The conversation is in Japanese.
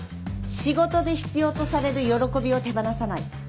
仕事で必要とされる喜びを手放さない。